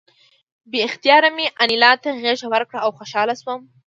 بې اختیاره مې انیلا ته غېږ ورکړه او خوشحاله شوم